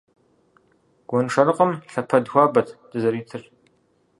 Гуэншэрыкъым лъэпэд хуабэт дызэритыр.